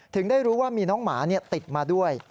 ถึงได้รู้ว่ามีน้องหมาติดมาด้วย